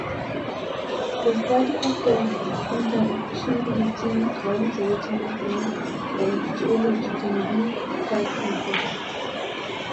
The study of the interaction between groundwater movement and geology can be quite complex.